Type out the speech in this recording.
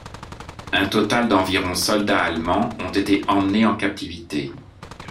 Un total d'environ soldats allemands ont été emmenés en captivité.